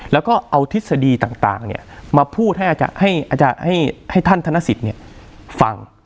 แล้วก็เอาทฤษฎีต่างมาพูดให้ท่านธนสิทธิ์ฟัง